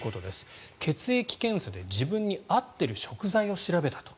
血液検査で自分に合っている食材を調べたと。